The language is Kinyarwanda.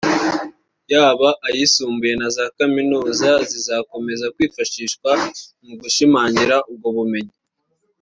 yaba ayisumbuye na za Kaminuza zizakomeza kwifashishwa mu gushimangira ubwo bumenyi